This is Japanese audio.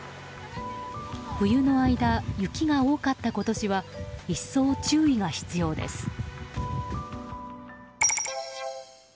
冬の間雪が多かった今年は一層、注意が必要です。